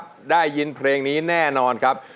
ใครไม่ได้ยินเพลงนี้แน่นอนครับ